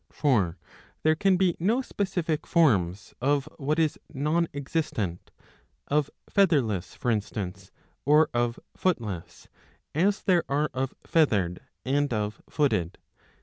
For there can be no specific forms of what is non existent, of Featherless for instance or of Footless, as there are of Feathered and of Footed.